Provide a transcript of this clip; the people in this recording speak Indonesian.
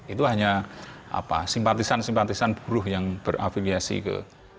itu hanya simpatisan simpatisan buruh yang berafiliasi ke